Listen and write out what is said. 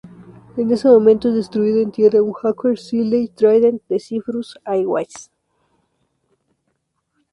En ese momento es destruido en tierra un Hawker Siddeley Trident de Cyprus Airways.